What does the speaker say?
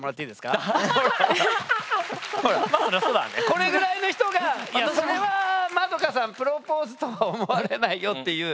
これぐらいの人がそれは円さんプロポーズとは思われないよっていう。